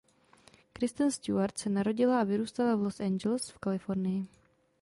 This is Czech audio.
Kristen Stewart se narodila a vyrůstala v Los Angeles v Kalifornii.